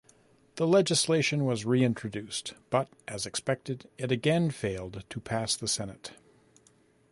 The legislation was reintroduced, but, as expected, it again failed to pass the Senate.